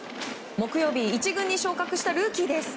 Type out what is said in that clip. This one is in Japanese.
木曜日、１軍に昇格したルーキーです。